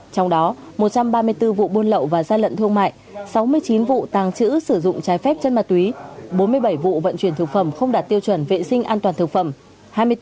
trong đó một trăm ba mươi bốn vụ buôn lậu và gian lận thương mại sáu mươi chín vụ tàng trữ sử dụng trái phép chân ma túy bốn mươi bảy vụ vận chuyển thực phẩm không đạt tiêu chuẩn vệ sinh an toàn thực phẩm